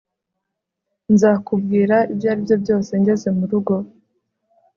Nzakubwira ibyaribyo byose ngeze murugo